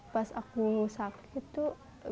pas aku sakit tuh